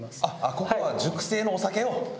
ここは熟成のお酒を。